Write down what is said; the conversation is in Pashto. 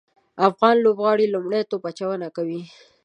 افغان لوبغاړي لومړی توپ اچونه کوي